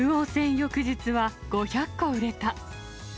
翌日は５００個売れた。